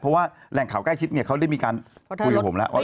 เพราะว่าแหล่งข่าวใกล้ชิดเนี่ยเขาได้มีการคุยกับผมแล้วว่า